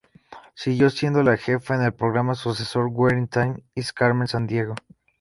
Siguió siendo "La Jefa" en el programa sucesor "Where in Time is Carmen Sandiego?